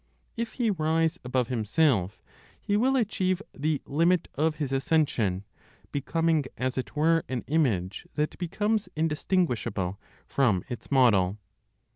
If he rise above himself, he will achieve the limit of his ascension, becoming as it were an image that becomes indistinguishable from its model.